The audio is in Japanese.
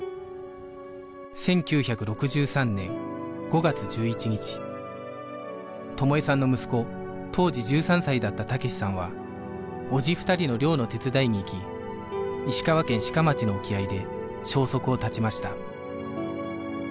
１９６３年５月１１日友枝さんの息子当時１３歳だった武志さんは叔父２人の漁の手伝いに行き石川県志賀町の沖合で消息を絶ちました